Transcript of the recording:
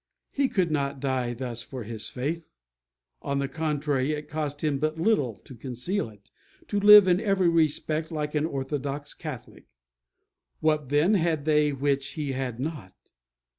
He could not die thus for his faith. On the contrary, it cost him but little to conceal it, to live in every respect like an orthodox Catholic. What, then, had they which he had not?